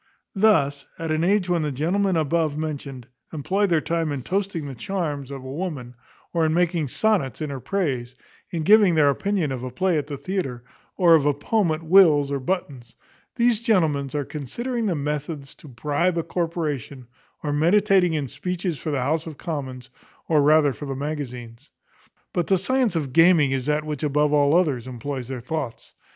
Thus at an age when the gentlemen above mentioned employ their time in toasting the charms of a woman, or in making sonnets in her praise; in giving their opinion of a play at the theatre, or of a poem at Will's or Button's; these gentlemen are considering the methods to bribe a corporation, or meditating speeches for the House of Commons, or rather for the magazines. But the science of gaming is that which above all others employs their thoughts.